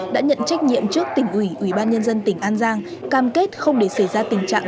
đã nhận trách nhiệm trước tỉnh ủy ubnd tỉnh an giang cam kết không để xảy ra tình trạng